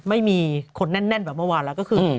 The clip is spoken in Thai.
ไม่มีคนแน่นแบบเมื่อวานแล้วก็คือ